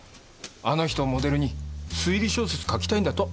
あの人をモデルに推理小説書きたいんだと。